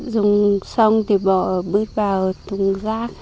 dùng xong thì bỏ bước vào thùng rác